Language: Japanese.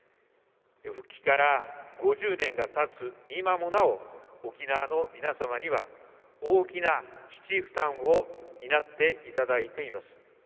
復帰から５０年がたつ今もなお沖縄の皆様には大きな基地負担を担っていただいています。